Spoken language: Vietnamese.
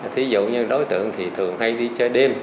thí dụ như đối tượng thì thường hay đi chơi đêm